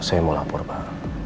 saya mau lapor pak